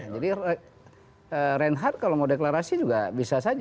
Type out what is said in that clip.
jadi reinhard kalau mau deklarasi juga bisa saja